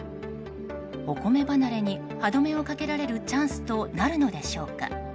お米離れに歯止めをかけられるチャンスとなるのでしょうか。